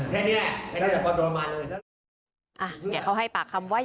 เน่นแค่เนี่ยไปก็โปรมาดเลย